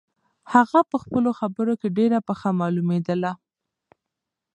هغه په خپلو خبرو کې ډېره پخه معلومېدله.